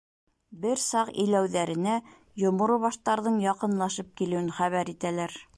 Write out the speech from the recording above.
Бер саҡ иләүҙәренә Йомро баштарҙың яҡынлашып килеүен хәбәр итәләр.